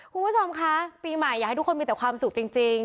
คุณผู้ชมคะปีใหม่อยากให้ทุกคนมีแต่ความสุขจริง